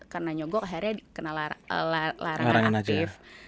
karena nyogok akhirnya kena larangan aktif